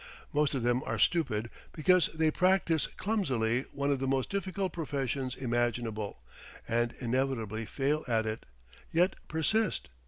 Most of them are stupid because they practise clumsily one of the most difficult professions imaginable, and inevitably fail at it, yet persist.